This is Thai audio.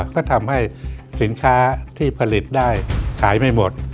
ก็ทำให้สินค้าที่ผลิตได้ขายไม่หมด